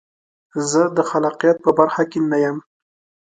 زه د خلاقیت په برخه کې نه یم.